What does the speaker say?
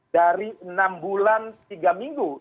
dari enam bulan tiga minggu